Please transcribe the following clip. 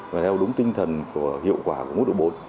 và theo đúng tinh thần của hiệu quả của mức độ bốn